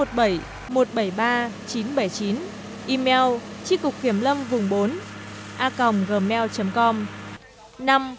chi cục kiểm lâm vùng bốn điện thoại chín trăm một mươi bảy một trăm bảy mươi ba chín trăm bảy mươi chín email chi cục kiểm lâm vùng bốn a gmail com